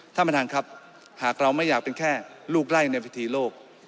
ท่านประธานครับหากเราไม่อยากเป็นแค่ลูกไล่ในวิธีโลก